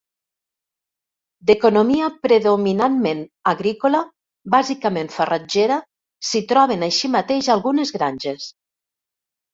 D'economia predominantment agrícola, bàsicament farratgera, s'hi troben així mateix algunes granges.